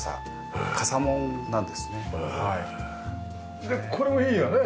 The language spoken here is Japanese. でこれもいいよね。